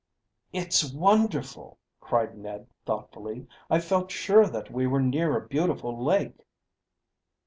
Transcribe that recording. "It's wonderful!" cried Ned thoughtfully. "I felt sure that we were near a beautiful lake."